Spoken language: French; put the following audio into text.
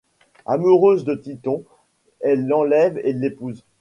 Amoureuse de Tithon, elle l'enlève et l'épouse.